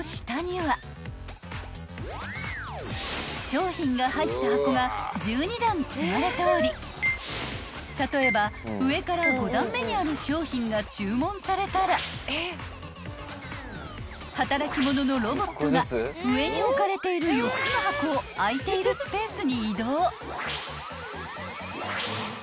［商品が入った箱が１２段積まれており例えば上から５段目にある商品が注文されたら働き者のロボットが上に置かれている４つの箱を空いているスペースに移動］